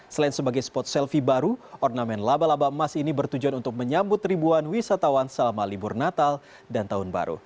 selain sebagai spot selfie baru ornamen laba laba emas ini bertujuan untuk menyambut ribuan wisatawan selama libur natal dan tahun baru